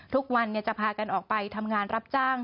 ทุกวันจะพากันออกไปทำงานรับจ้าง